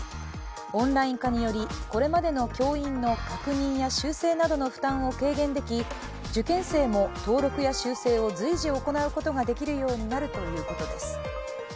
オンライン化により、これまでの教員の確認や修正などの負担を軽減でき受験生も登録や修正を随時行うことができるようになるということです。